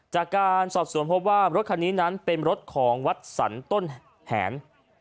จากการสอบสวนพบว่ารถคันนี้นั้นเป็นรถของวัดสรรต้นแหน